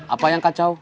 apa yang kacau